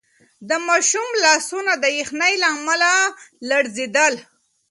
د ماشوم لاسونه د یخنۍ له امله لړزېدل.